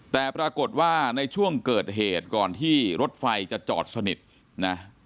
แต่ปรากฏว่าในช่วงเกิดเหตุก่อนที่รถไฟจะจอดสนิทนะ